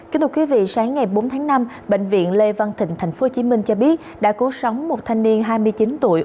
sáng ngày bốn tháng năm bệnh viện lê văn thịnh tp hcm cho biết đã cứu sống một thanh niên hai mươi chín tuổi